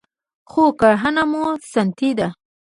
خو کرهنه مو سنتي ده